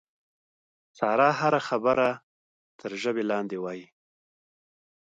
ساره هره خبره تر ژبې لاندې وایي.